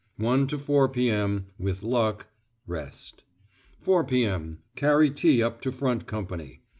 1 to 4 p.m. (With luck) rest. 4 p.m. Carry tea up to front company.